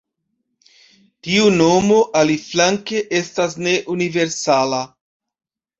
Tiu nomo, aliflanke, estas ne universala.